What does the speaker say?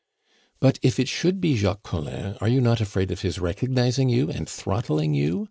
"But if it should be Jacques Collin are you not afraid of his recognizing you and throttling you?"